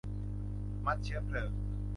มัดเชื้อเพลิง